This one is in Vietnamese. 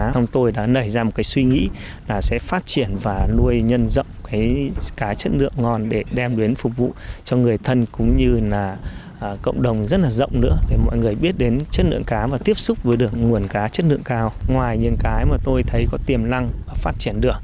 thông tôi đã nảy ra một cái suy nghĩ là sẽ phát triển và nuôi nhân rộng cái cá chất lượng ngon để đem đến phục vụ cho người thân cũng như là cộng đồng rất là rộng nữa để mọi người biết đến chất lượng cá và tiếp xúc với được nguồn cá chất lượng cao ngoài những cái mà tôi thấy có tiềm năng và phát triển được